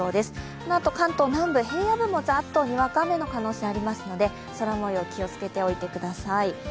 このあと関東南部、平野部もザッとにわか雨の可能性がありますので、空もよう気をつけておいてください。